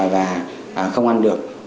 và không ăn được